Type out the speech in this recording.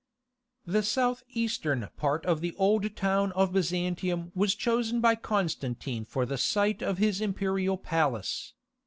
The south eastern part of the old town of Byzantium was chosen by Constantine for the site of his imperial palace.